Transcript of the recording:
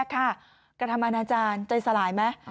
กระทำอาณาจารย์ใจสลายไหม